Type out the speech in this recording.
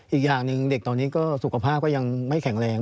อีกอย่างหนึ่งเด็กตอนนี้ก็สุขภาพก็ยังไม่แข็งแรง